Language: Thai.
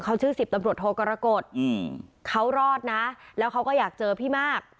เขาชื่อสิบตำรวจโทกรกฎเขารอดนะแล้วเขาก็อยากเจอพี่มาก